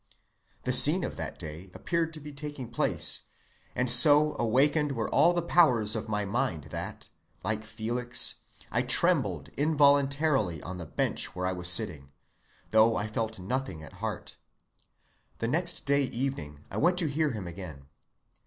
The scene of that day appeared to be taking place, and so awakened were all the powers of my mind that, like Felix, I trembled involuntarily on the bench where I was sitting, though I felt nothing at heart. The next day evening I went to hear him again.